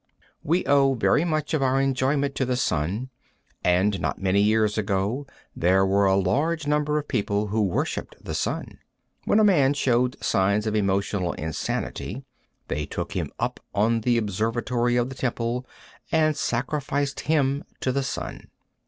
We owe very much of our enjoyment to the sun, and not many years ago there were a large number of people who worshiped the sun. When a man showed signs of emotional insanity, they took him up on the observatory of the temple and sacrificed him to the sun.